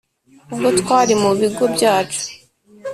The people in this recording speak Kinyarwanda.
ubwo twari mubigo byacu